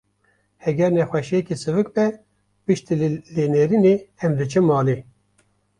Heger nexwşiyeke sivik be, piştî lênêrînê em diçin malê.